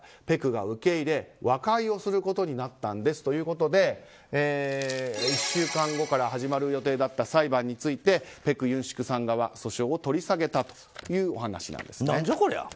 ペクが受け入れ和解をすることになったんですということで１週間後から始まる予定だった裁判についてペク・ユンシクさん側訴訟を取り下げたというお話です。